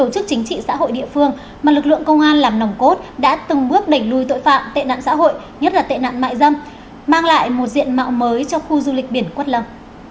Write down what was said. chính trị xã hội địa phương mà lực lượng công an làm nòng cốt đã từng bước đẩy lùi tội phạm tệ nạn xã hội nhất là tệ nạn mại dâm mang lại một diện mạo mới cho khu du lịch biển quất lâm